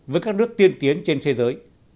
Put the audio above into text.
với các nước tiên tiến trên thế giới